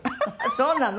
そうなの？